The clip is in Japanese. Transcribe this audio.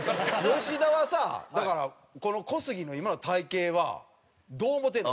吉田はさだからこの小杉の今の体形はどう思ってんの？